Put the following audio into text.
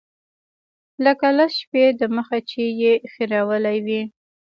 لکه لس شپې د مخه چې يې خرييلي وي.